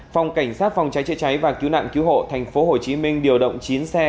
phòng cảnh sát phòng cháy chữa cháy và cứu nạn cứu hộ thành phố hồ chí minh điều động chín xe